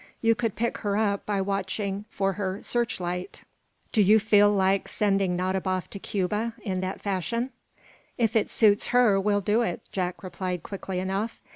You could pick her up by watching for her searchlight. Do you feel like sending Nadiboff to Cuba, in that fashion?" "If it suits her, we'll do it," Jack replied quickly enough.